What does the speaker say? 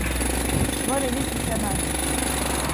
Var eli titremez.